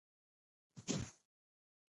سترګۍ مه کیږئ.